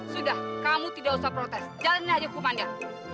sudah kamu tidak usah protes jalani saja hukumannya